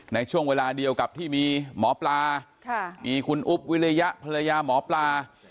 ในช่วงเวลาเดียวกับที่มีหมอปลามีคุณอุ๊บวิริยะภรรยาหมอปลา